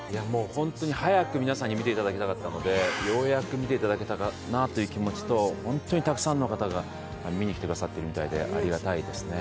本当に早く皆さんに見ていただきたかったので、ようやく見ていただけたなという気持ちと本当にたくさんの方が見に来てくださっているみたいでありがたいですね。